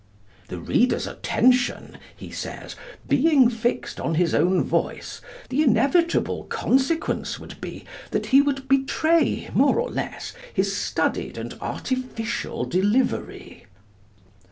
'The reader's attention,' he says, 'being fixed on his own voice, the inevitable consequence would be that he would betray more or less his studied and artificial delivery.'